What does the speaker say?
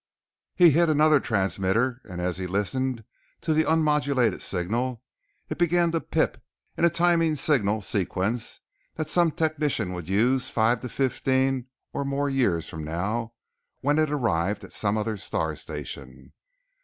He hit another transmitter and as he listened to the unmodulated signal, it began to pip in a timing signal sequence that some technician would use five to fifteen or more years from now when it arrived at some other star station.